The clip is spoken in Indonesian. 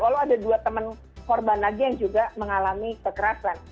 walau ada dua teman korban lagi yang juga mengalami kekerasan